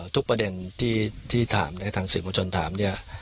ทุกประเด็นที่ถามในขณะทางศิษย์ประชาชนถามเนี่ย